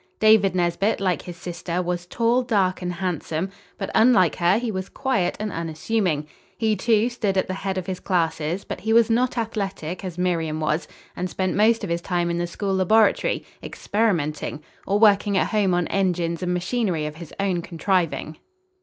David Nesbit, like his sister, was tall, dark and handsome; but unlike her, he was quiet and unassuming. He, too, stood at the head of his classes, but he was not athletic, as Miriam was, and spent most of his time in the school laboratory, experimenting, or working at home on engines and machinery of his own contriving.